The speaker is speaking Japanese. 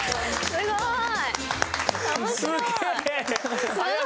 すごーい！